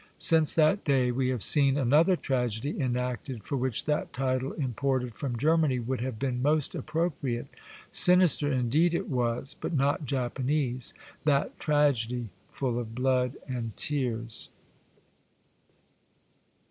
Since that day we have seen another tragedy enacted for which that title imported from Germany would have been most appropriate ; sinister indeed it was, but not Japanese, that tragedy full of blood and tears.